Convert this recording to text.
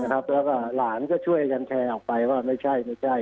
แป๊บล้อนก็ช่วยเชื่อออกไปว่าไม่ใช่ไม่ใช่